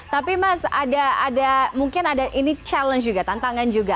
tapi mas ada mungkin ada ini challenge juga tantangan juga